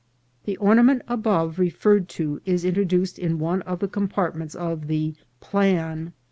The ornament above referred to is introduced in one of the compartments of the " plan."